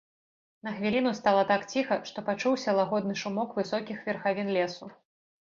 На хвіліну стала так ціха, што пачуўся лагодны шумок высокіх верхавін лесу.